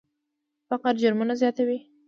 فقر جرمونه زیاتوي.